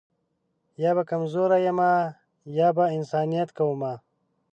یا به کمزوری یمه یا به انسانیت کومه